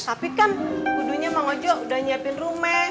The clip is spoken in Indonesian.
tapi kan kudunya mang ojo udah nyiapin rume